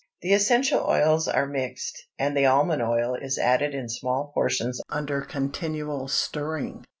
The essential oils are mixed, and the almond oil is added in small portions under continual stirring.